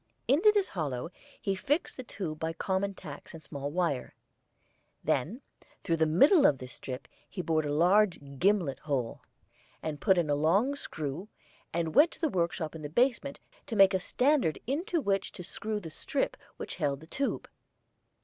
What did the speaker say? Into this hollow he fixed the tube by common tacks and small wire. Then through the middle of this strip he bored a large gimlet hole, and put in a long screw, and went to the workshop in the basement to make a standard into which to screw the strip which held the tube.